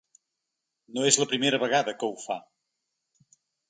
No és la primera vegada que ho fa.